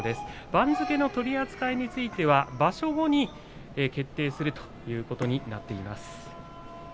番付の取り扱いについては場所後に決定するということになっています。